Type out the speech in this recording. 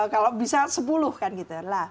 kalau bisa sepuluh kan gitu